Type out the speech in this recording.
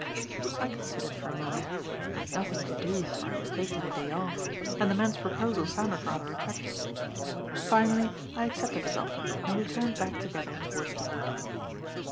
I considered for a moment. I had nothing to do for I was taking a day off, and the man's proposal sounded rather attractive. Finally, I accepted his offer, and we turned back together towards the Wood.